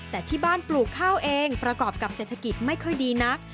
แต่ที่บ้านปลูกข้าวเองประกอบกับเศรษฐกิจไม่ค่อยดีนัก